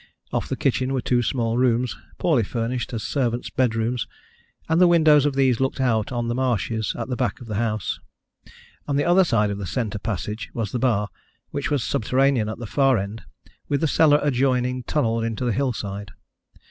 Off the kitchen were two small rooms, poorly furnished as servants' bedrooms, and the windows of these looked out on the marshes at the back of the house. On the other side of the centre passage was the bar, which was subterranean at the far end, with the cellar adjoining tunnelled into the hillside.